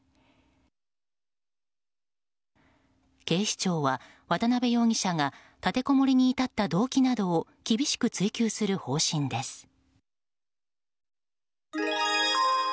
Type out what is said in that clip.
警視庁は渡辺容疑者が立てこもりに至った動機などを厳しく追及する方針です。